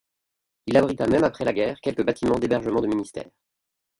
Il abrita même après la guerre quelques bâtiments d’hébergement de ministères.